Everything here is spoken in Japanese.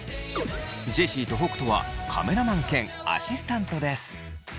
ジェシーと北斗はカメラマン兼アシスタントです。